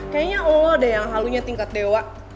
kayaknya oh ada yang halunya tingkat dewa